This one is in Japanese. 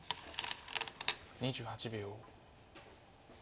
２８秒。